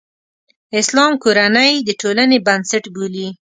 اسلام کورنۍ د ټولنې بنسټ بولي.